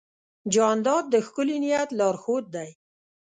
جانداد د ښکلي نیت لارښود دی.